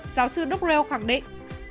giáo sư drill khẳng định